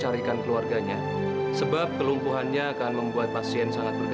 tidak apa apa funzil kamu terbaik